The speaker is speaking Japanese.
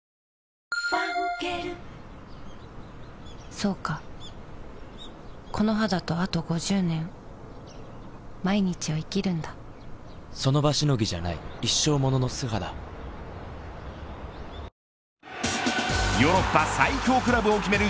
そうかこの肌とあと５０年その場しのぎじゃない一生ものの素肌ヨーロッパ最強クラブを決める